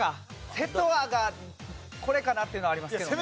セトアがこれかな？っていうのありますけどね。